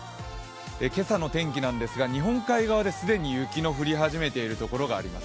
今朝の天気なんですが日本海側で既に雪の降り始めているところがあります。